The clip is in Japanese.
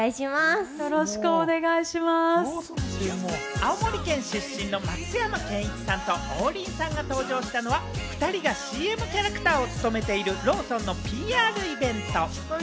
青森県出身の松山ケンイチさんと王林さんが登場したのは、２人がＣＭキャラクターを務めているローソンのＰＲイベント。